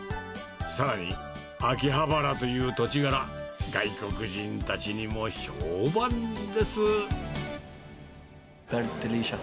さらに、秋葉原という土地柄、外国人たちにも評判です。